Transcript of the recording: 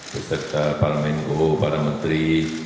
beserta pak lembago pak menteri